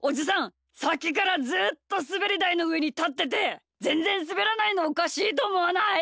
さっきからずっとすべりだいのうえにたっててぜんぜんすべらないのおかしいとおもわない？